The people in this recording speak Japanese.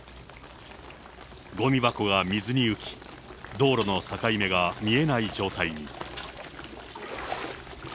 ごみ箱は水に浮き、道路の境目が見えない状態に。